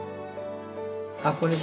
あっこれだ。